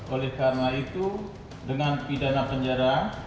oleh karena itu dengan pidana penjara